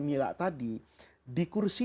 milah tadi di kursi